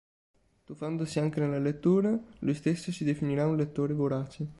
Tuffandosi anche nella lettura, lui stesso si definirà un "lettore vorace".